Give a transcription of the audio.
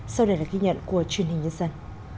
sau đây là ghi nhận của truyền hình nhân dân